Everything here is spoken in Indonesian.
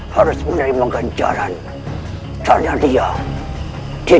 kau akan berhenti